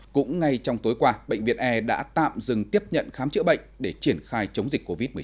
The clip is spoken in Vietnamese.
cũng ngay trong tối qua bệnh viện e đã tạm dừng tiếp nhận khám chữa bệnh để triển khai chống dịch covid một mươi chín